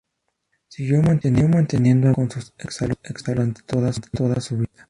Siguió manteniendo amistad con sus ex-alumnos durante toda su vida.